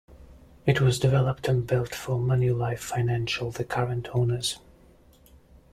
It was developed and built for Manulife Financial, the current owners.